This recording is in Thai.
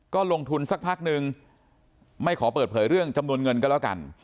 ก็ลงทุนสักพักนึงไม่ขอเปิดเผยเรื่องจำนวนเงินก็แล้วกัน